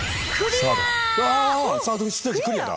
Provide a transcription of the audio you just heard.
うわサードステージクリアだ。